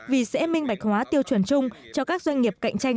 vì sẽ minh bạch hóa tiêu chuẩn chung cho các doanh nghiệp cạnh tranh